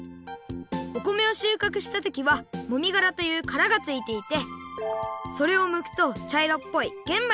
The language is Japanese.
お米をしゅうかくしたときはもみがらというカラがついていてそれをむくとちゃいろっぽいげん